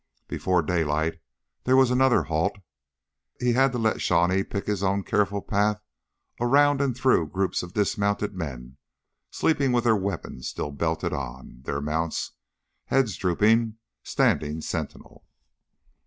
Before daylight there was another halt. He had to let Shawnee pick his own careful path around and through groups of dismounted men sleeping with their weapons still belted on, their mounts, heads drooping, standing sentinel.